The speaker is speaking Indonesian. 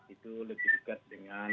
itu lebih dekat dengan